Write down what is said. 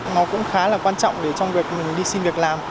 nó cũng khá là quan trọng để trong việc mình đi xin việc làm